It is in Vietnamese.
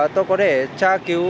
tôi có thể tra cứu các tuyến này